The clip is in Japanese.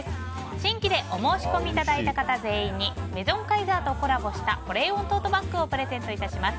新規でお申し込みいただいた方全員にメゾンカイザーとコラボした保冷温トートバッグをプレゼントいたします。